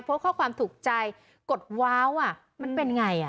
โพสต์ข้อความถูกใจกดว้าวมันเป็นไง